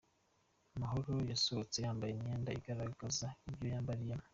Mahoro yasohotse yambaye imyenda igaragaza ibyo yambariyeho